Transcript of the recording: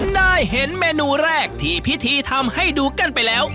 ได้เห็นเมนูแรกที่พิธีทำให้ดูกันไปแล้ว